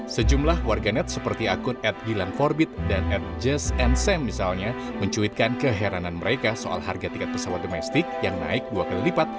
sejumlah warga net seperti akun ad gilan forbit dan ad jess and sam misalnya mencuitkan keheranan mereka soal harga tiket pesawat domestik yang naik dua kali lipat